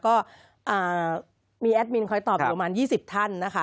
ก็มีแอดมินคอยตอบอยู่ประมาณ๒๐ท่านนะคะ